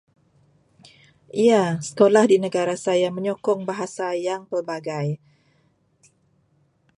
Ya, sekolah di negara saya menyokong bahasa yang pelbagai.